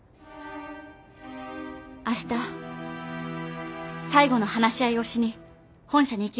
明日最後の話し合いをしに本社に行きます。